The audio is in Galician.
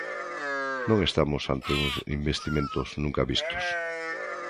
Non estamos ante uns investimentos nunca vistos.